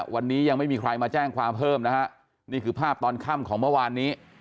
วันนี้ยังไม่มีใครมาแจ้งความเพิ่มนะฮะนี่คือภาพตอนค่ำของเมื่อวานนี้